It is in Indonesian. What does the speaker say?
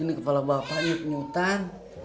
ini kepala bapak nyut nyutan